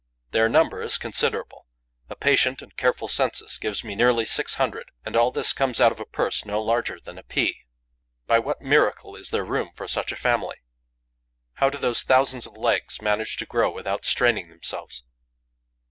Their number is considerable. A patient and careful census gives me nearly six hundred. And all this comes out of a purse no larger than a pea. By what miracle is there room for such a family? How do those thousands of legs manage to grow without straining themselves?